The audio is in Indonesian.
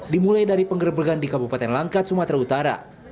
dimulai dari penggerbegan di kabupaten langkat sumatera utara